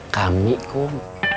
kami mau minta tolong